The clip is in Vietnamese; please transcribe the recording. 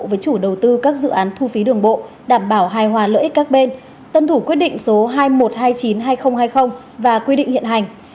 với chủ đầu tư các dự án thu phí đường bộ đảm bảo hài hòa lợi ích các bên tân thủ quyết định số hai một hai chín hai không hai không và quy định hiện hành